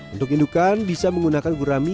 untuk indukan bisa menggunakan gurami